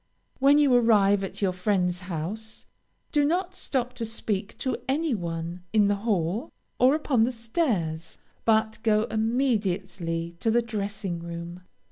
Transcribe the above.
When you arrive at your friend's house, do not stop to speak to any one in the hall, or upon the stairs, but go immediately to the dressing room.